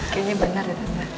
kayaknya bener ya